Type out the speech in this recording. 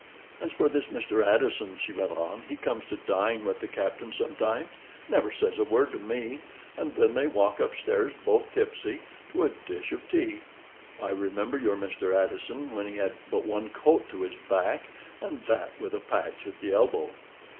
"As for this Mr. Addison," she went on, "he comes to dine with the Captain sometimes, never says a word to me, and then they walk up stairs both tipsy, to a dish of tea. I remember your Mr. Addison when he had but one coat to his back, and that with a patch at the elbow."